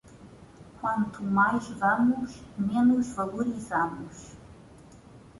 Quanto mais vamos, menos valorizamos.